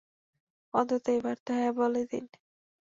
অন্তত এবার তো হ্যাঁঁ বলে দিন।